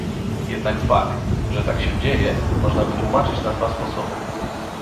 Jednak fakt, że tak się dzieje, można wytłumaczyć na dwa sposoby